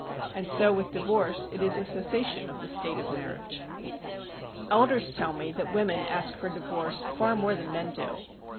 And so with divorce, it is a cessation of the state of marriage. Elders tell me that women ask for divorce far more than men do.